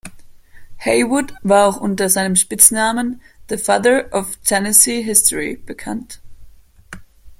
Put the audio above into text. Haywood war auch unter seinem Spitznamen "The father of Tennessee history" bekannt.